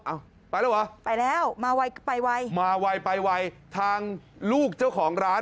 ไปแล้วเหรอไปแล้วมาไวไปไวมาไวไปไวทางลูกเจ้าของร้าน